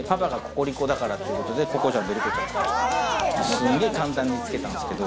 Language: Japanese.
すげぇ簡単に付けたんですけど。